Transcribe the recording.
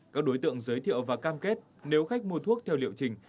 các đối tượng giới thiệu và cam kết nếu khách mua thuốc theo liệu trình